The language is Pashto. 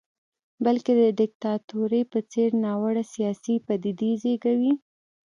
بلکې د دیکتاتورۍ په څېر ناوړه سیاسي پدیدې زېږوي.